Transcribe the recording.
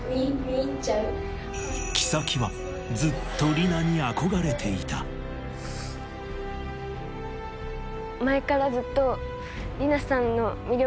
季咲はずっと梨菜に憧れていた前からずっと。